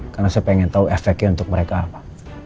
karena saya pengen tahu efeknya untuk mereka apa